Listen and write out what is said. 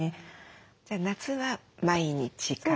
じゃあ夏は毎日か。